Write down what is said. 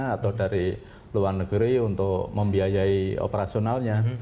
atau dari luar negeri untuk membiayai operasionalnya